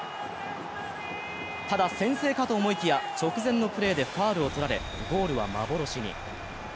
ただ、先制かと思いきや、直前のプレーでファウルをとられゴールは幻に。